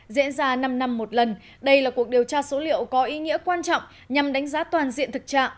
diễn ra năm năm một lần đây là cuộc điều tra số liệu có ý nghĩa quan trọng nhằm đánh giá toàn diện thực trạng